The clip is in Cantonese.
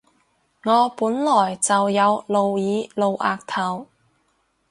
我本來就有露耳露額頭